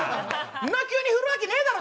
んな急に振るわけねえだろ